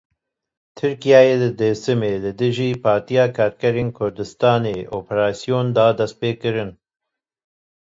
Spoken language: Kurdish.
Tirkiyeyê li Dêrsimê li dijî Partiya Karkerên Kurdistanê operasyon da destpêkirin.